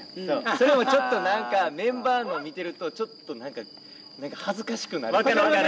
それもちょっとなんか、メンバーの見てると、ちょっとなんか恥ずかしくなったり。